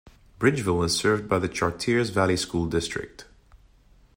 Bridgeville is served by the Chartiers Valley School District.